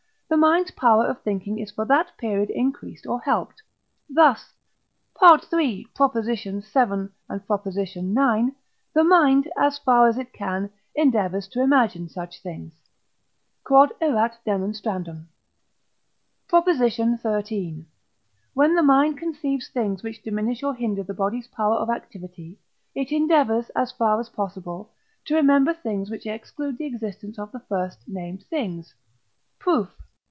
the mind's power of thinking is for that period increased or helped. Thus (III. vi., ix.) the mind, as far as it can, endeavours to imagine such things. Q.E.D. PROP. XIII. When the mind conceives things which diminish or hinder the body's power of activity, it endeavours, as far as possible, to remember things which exclude the existence of the first named things. Proof.